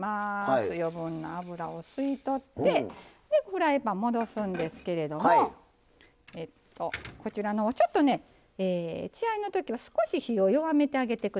余分な油を吸い取ってでフライパン戻すんですけれどもこちらのちょっとね血合いのときは少し火を弱めてあげてください。